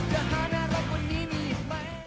จะหาน่ารักวันนี้มีไหม